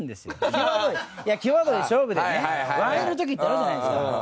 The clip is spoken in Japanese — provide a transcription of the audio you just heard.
際どい際どい勝負でね割れる時ってあるじゃないですか。